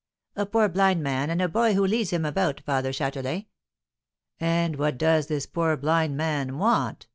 "A poor blind man and a boy who leads him about, Father Châtelain." "And what does this poor blind man want?"